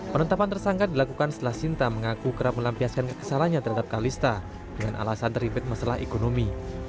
penetapan tersangka dilakukan setelah sinta mengaku kerap melampiaskan kekesalannya terhadap kalista dengan alasan terlibat masalah ekonomi